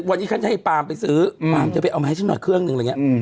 วันนี้ฉันให้ปามไปซื้อปาล์มจะไปเอามาให้ฉันหน่อยเครื่องหนึ่งอะไรอย่างนี้